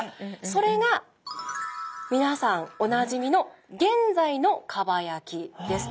それがみなさんおなじみの現在の蒲焼きです。